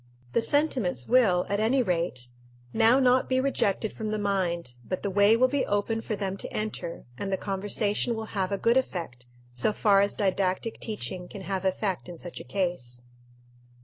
The sentiments will, at any rate, now not be rejected from the mind, but the way will be open for them to enter, and the conversation will have a good effect, so far as didactic teaching can have effect in such a case.